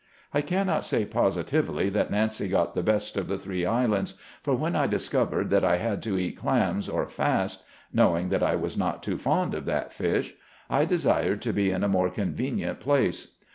I cannot say positively that Nancy got the best of the three islands, for when I discovered that I had to eat clams or fast — knowing that I was not too fond of that fish — I desired to be in a more convenient place.